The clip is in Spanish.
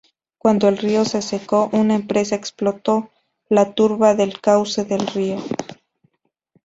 Cuando el río se secó una empresa explotó la turba del cauce del río.